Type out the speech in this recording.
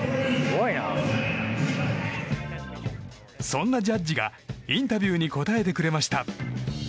そんなジャッジがインタビューに答えてくれました。